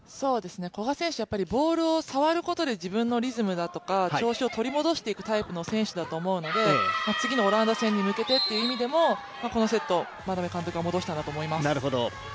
古賀選手、ボールに触ることで、自分の状態だとか調子を取り戻していく選手だと思うので次のオランダ戦に向けてという意味でもこのセット、眞鍋監督は戻したんだと思います。